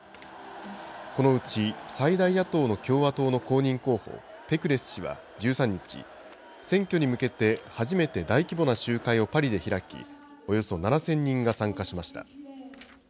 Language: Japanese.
このうち、最大野党の共和党の公認候補、ペクレス氏は１３日、選挙に向けて初めて大規模な集会をパリで開き、およそ７０００人が参加しました。